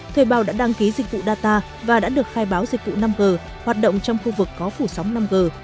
thuê bào đã đăng ký dịch vụ data và đã được khai báo dịch vụ năm g hoạt động trong khu vực có phủ sóng năm g